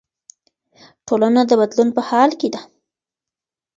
ټولنه د بدلون په حال کې ده.